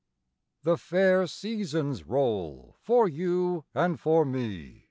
II. The fair seasons roll For you and for me.